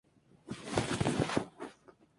Se trata de un defensa de gran clase.